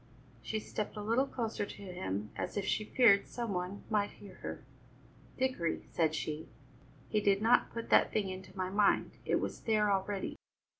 She stepped a little closer to him as if she feared some one might hear her. "Dickory," said she, "he did not put that thing into my mind; it was there already.